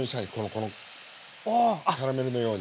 このキャラメルのように。